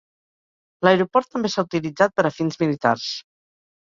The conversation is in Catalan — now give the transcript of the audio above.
L'aeroport també s'ha utilitzat per a fins militars.